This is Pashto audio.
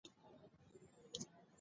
دوی د دنیا څلورمه برخه نه وه نیولې.